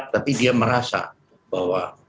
tapi dia merasa bahwa